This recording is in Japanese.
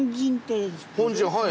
本陣はい。